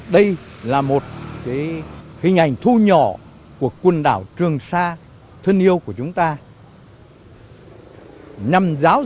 đây là một hình ảnh thu nhỏ của quân đảo trường xa thân yêu của chúng ta